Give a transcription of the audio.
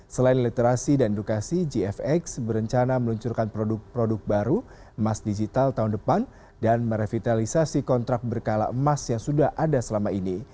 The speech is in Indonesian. selain literasi dan edukasi gfx berencana meluncurkan produk produk baru emas digital tahun depan dan merevitalisasi kontrak berkala emas yang sudah ada selama ini